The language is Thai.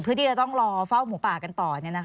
เพื่อที่จะต้องรอเฝ้าหมูป่ากันต่อ